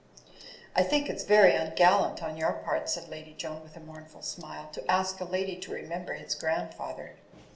"I think it's very ungallant on your part," said Lady Joan, with a mournful smile, "to ask a lady to remem ber his grandfather."